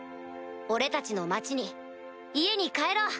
俺たちの町に家に帰ろう！